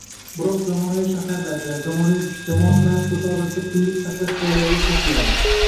Biroq, zamonaviy shaharlarda, zamonaviy jamoat transporti odatda pullik saqlash joylariga qo'shiladi